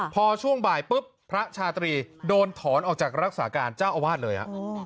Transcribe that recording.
พอช่วงบ่ายปุ๊บพระชาตรีโดนถอนออกจากรักษาการเจ้าอาวาสเลย